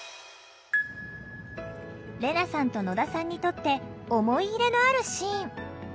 レナさんと野田さんにとって思い入れのあるシーン。